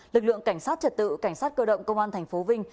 lực lượng cảnh sát trật tự cảnh sát cơ động công an tp vinh